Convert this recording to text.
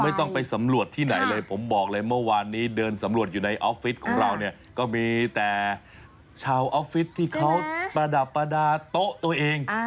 ต้องไปสำรวจที่ไหนเลยผมบอกเลยเมื่อวานนี้เดินสำรวจอยู่ในออฟฟิศของเราเนี่ยก็มีแต่ชาวออฟฟิศที่เขาประดับประดาษโต๊ะตัวเอง